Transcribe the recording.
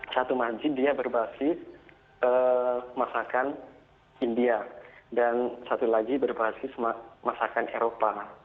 satu masjid dia berbasis masakan india dan satu lagi berbasis masakan eropa